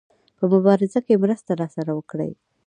په مبارزه کې مرسته راسره وکړي.